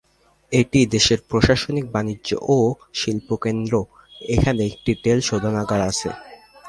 এটি দেশের প্রশাসনিক বাণিজ্য ও শিল্প কেন্দ্র, এখানে একটি তেল শোধনাগার আছে।